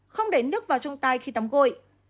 không để nước vào trong tay khi tắm gội